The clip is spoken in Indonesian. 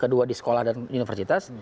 kedua di sekolah dan universitas